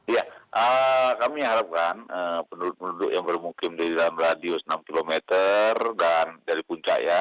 ya kami harapkan penduduk penduduk yang bermukim di dalam radius enam km dan dari puncak ya